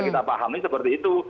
kita paham ini seperti itu